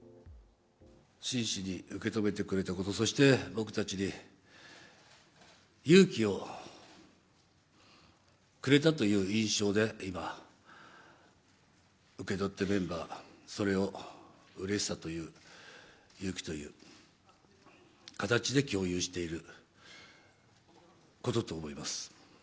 真摯に受け止めてくれたこと、そして僕たちに勇気をくれたという印象で今、受け取って、メンバー、それをうれしさという、勇気という形で共有していることと思います。